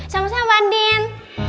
sama sama mbak andien